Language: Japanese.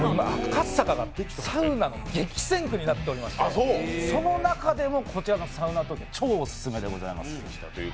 赤坂がサウナの激戦区になっておりましてその中でもこちらのサウナ東京は超オススメでございます！